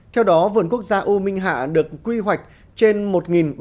theo đó vườn quốc gia u minh hạ được quy hoạch trên một đồng